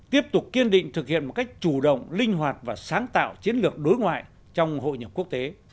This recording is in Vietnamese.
tiếp tục kiên định thực hiện một cách chủ động linh hoạt và sáng tạo chiến lược đối ngoại trong hội nhập quốc tế